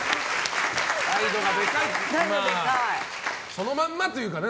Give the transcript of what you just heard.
そのまんまというかね。